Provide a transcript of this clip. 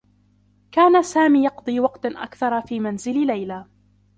كان سامي يقضي وقتا أكثر في منزل ليلى.